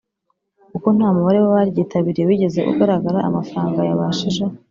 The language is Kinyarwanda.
Kuko nta mubare w abaryitabiriye wigeze ugaragara amafaranga yabashije